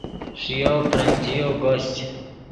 ݰییو برنجییو گوشچ